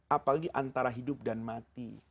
apalagi antara hidup dan mati